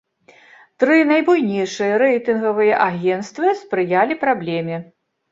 Тры найбуйнейшыя рэйтынгавыя агенцтвы спрыялі праблеме.